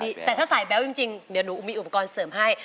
แต่ถ้าสายแบ๊วจริงเดี๋ยวหนูมีอุปกรณ์เสริมให้